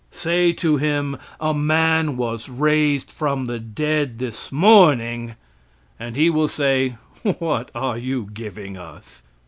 Say to him, "A man was raised from the dead this morning," and he will say, "What are you giving us?"